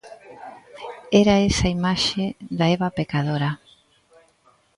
Era esa imaxe da Eva pecadora.